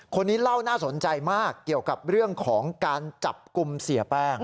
คนนี้เล่าน่าสนใจมากเกี่ยวกับเรื่องของการจับกลุ่มเสียแป้ง